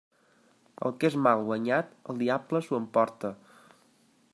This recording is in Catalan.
El que és mal guanyat el diable s'ho emporta.